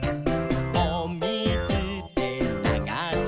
「おみずでながして」